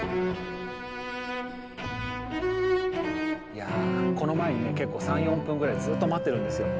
いやこの前にね結構３４分ぐらいずっと待ってるんですよ。